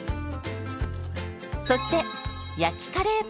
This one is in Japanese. そして焼きカレーパンも。